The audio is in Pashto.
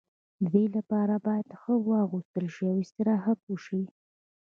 د دې لپاره باید ښه واغوستل شي او استراحت وشي.